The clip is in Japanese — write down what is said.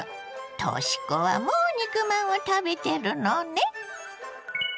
とし子はもう肉まんを食べてるのね。